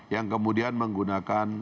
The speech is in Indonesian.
yang kemudian menggunakan